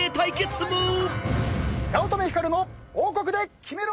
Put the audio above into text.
八乙女光の王国でキメろ！